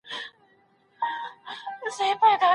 کندهار کي یې کومي ودانۍ جوړې کړې؟